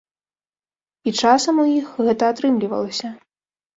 І часам у іх гэта атрымлівалася.